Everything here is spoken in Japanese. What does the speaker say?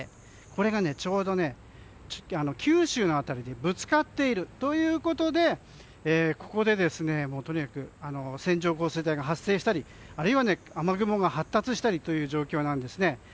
これがちょうど九州の辺りでぶつかっているということでここで、とにかく線状降水帯が発生したりあるいは雨雲が発達したりという状況なんです。